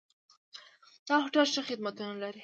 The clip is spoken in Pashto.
دا هوټل ښه خدمتونه لري.